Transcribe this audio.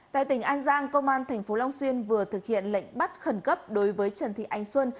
tại tỉnh an giang công an tp long xuyên vừa thực hiện lệnh bắt khẩn cấp đối với trần thị ánh xuân